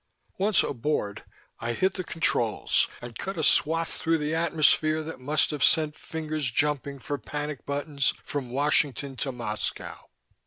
Once aboard, I hit the controls and cut a swathe through the atmosphere that must have sent fingers jumping for panic buttons from Washington to Moscow.